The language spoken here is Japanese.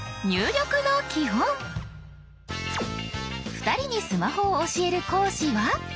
２人にスマホを教える講師は。